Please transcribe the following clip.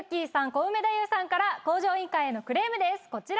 コウメ太夫さんから『向上委員会』へのクレームですこちら。